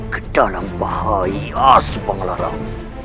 ke dalam bahaya subanglarang